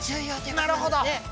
なるほど。